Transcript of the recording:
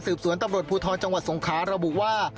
สืบสวนตำรวจพูดท้อนจังหวัดสงคราระบุว่า